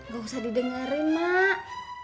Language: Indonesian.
gak usah didengerin mak